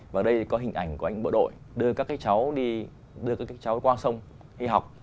và ở đây có hình ảnh của anh bộ đội đưa các cái cháu qua sông đi học